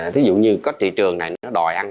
thí dụ như cái thị trường này nó đòi ăn